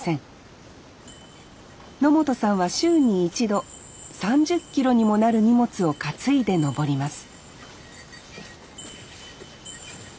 野本さんは週に１度３０ｋｇにもなる荷物を担いで登ります